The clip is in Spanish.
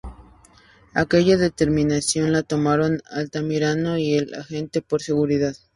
Aquella determinación la tomaron Altamirano y el agente por seguridad.